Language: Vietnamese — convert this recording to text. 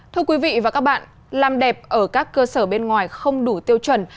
thưa quý vị và các bạn làm đẹp ở các cơ sở bên ngoài không đủ tiêu chuẩn